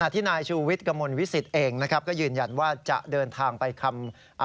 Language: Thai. ที่นายชูวิทย์กระมวลวิสิตเองนะครับก็ยืนยันว่าจะเดินทางไปคำ